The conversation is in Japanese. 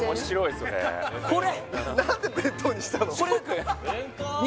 これ何で弁当にしたの？